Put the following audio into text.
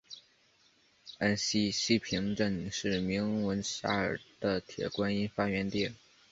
安溪西坪镇是名闻遐迩的铁观音发源地。